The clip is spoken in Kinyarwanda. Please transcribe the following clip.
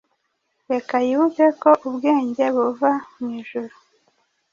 reka yibuke ko “ubwenge buva mu ijuru